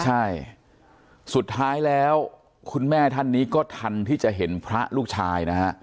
ใช่สุดท้ายแล้วคุณแม่ท่านนี้ก็ทันที่จะเห็นพระลูกชายนะฮะ